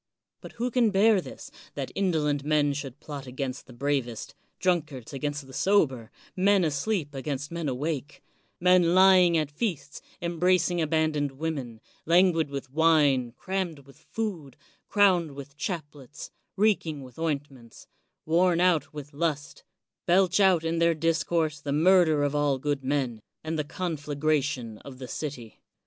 But who can bear this, that indolent men should plot against the bravest, — drunkards against the sober, — ^men asleep against men awake, — ^men ly ing at feasts, embracing abandoned women, lan guid with wine, crammed with food, crowned with chaplets, reeking with ointments, worn out with lust, belch out in their discourse the murder of all good men, and the conflagration of the city?